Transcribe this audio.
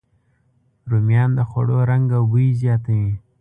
رومیان د خوړو رنګ او بوی زیاتوي